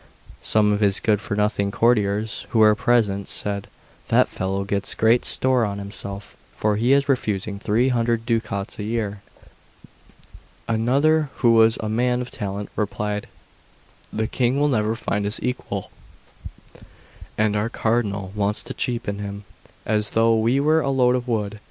Some of his good for nothing courtiers who were present said: "That fellow sets great store on himself, for he is refusing three hundred ducats a year." Another, who was a man of talent, replied: "The King will never find his equal, and our Cardinal wants to cheapen him, as though he were a load of wood."